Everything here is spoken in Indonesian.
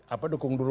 apa dukung dulu